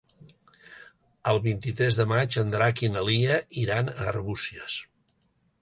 El vint-i-tres de maig en Drac i na Lia iran a Arbúcies.